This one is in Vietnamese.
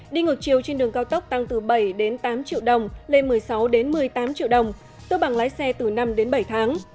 đi ngược chiều trên đường cao tốc tăng từ bảy đến tám triệu đồng lên một mươi sáu một mươi tám triệu đồng tước bằng lái xe từ năm đến bảy tháng